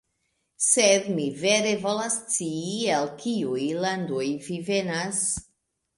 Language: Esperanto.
Sed, mi vere volas scii, el kiuj landoj vi venas.